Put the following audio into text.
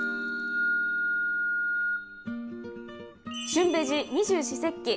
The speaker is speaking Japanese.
「旬ベジ二十四節気」。